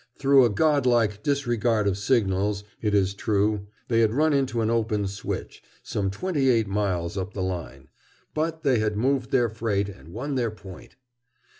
Through a godlike disregard of signals, it is true, they had run into an open switch, some twenty eight miles up the line, but they had moved their freight and won their point.